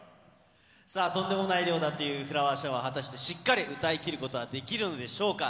さあ、とんでもない量だというフラワーシャワー、果たしてしっかり歌いきることはできるのでしょうか。